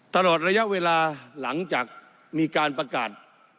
ตลอดระยะเวลาหลังจากมีการประกาศ